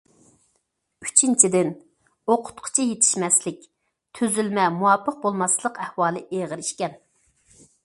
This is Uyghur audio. ئۈچىنچىدىن، ئوقۇتقۇچى يېتىشمەسلىك، تۈزۈلمە مۇۋاپىق بولماسلىق ئەھۋالى ئېغىر ئىكەن.